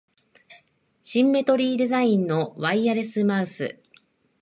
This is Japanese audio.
シンメトリーデザインのワイヤレスマウス